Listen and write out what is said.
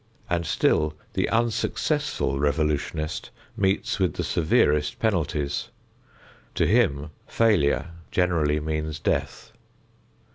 And still the unsuccessful revolutionist meets with the severest penalties. To him failure generally means death.